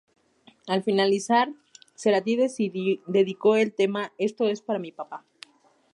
Al finalizar, Cerati dedicó el tema: "Esto es para mi papá".